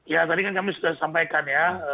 ya tadi kan kami sudah sampaikan ya